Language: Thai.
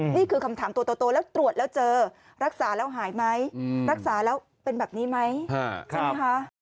นี่คือคำถามตัวโตแล้วตรวจแล้วเจอรักษาแล้วหายไหมรักษาแล้วเป็นแบบนี้ไหมใช่ไหมคะ